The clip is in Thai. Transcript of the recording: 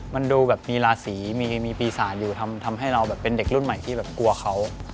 มันดูแบบมีราศีมีปีศาจอยู่ทำให้เราแบบเป็นเด็กรุ่นใหม่ที่แบบกลัวเขา